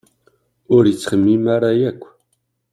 Ur ittxemmim ara akk!